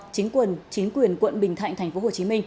chính quyền quận bình thạnh tp hcm